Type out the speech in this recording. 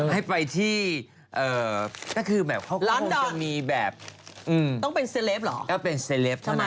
ให้ไปที่เออก็คือแบบเขาก็คงจะมีแบบอืมต้องเป็นเซเลฟเหรอเอ้าเป็นเซเลฟเท่านั้นไง